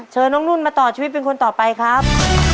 เชิญน้องนุ่นมาต่อชีวิตเป็นคนต่อไปครับ